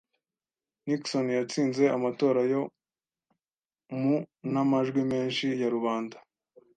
Nixon yatsinze amatora yo mu n'amajwi menshi ya rubanda